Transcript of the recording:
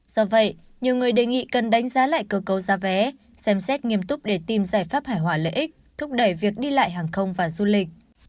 do vậy nhiều người đề nghị cần đánh giá lại cơ cấu giá vé xem xét nghiêm túc để tìm giải pháp hải hòa lợi ích thúc đẩy việc đi lại hàng không và du lịch